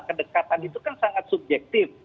kedekatan itu kan sangat subjektif